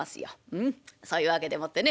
うんそういう訳でもってね